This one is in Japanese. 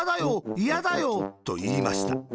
いやだよ。」と、いいました。